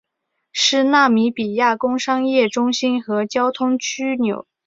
是纳米比亚工商业中心和交通枢纽。